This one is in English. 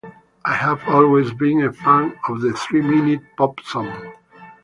I have always been a fan of the three-minute pop song.